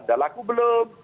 udah laku belum